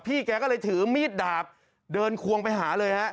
แกก็เลยถือมีดดาบเดินควงไปหาเลยฮะ